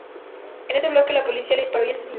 En este bloqueo la policía le disparó y asesinó.